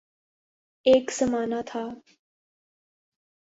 ایک زمانہ تھا۔